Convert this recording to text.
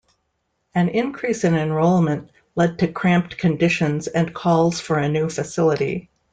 An increase in enrollment led to cramped conditions and calls for a new facility.